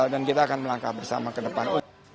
dan kita akan melangkah bersama ke depan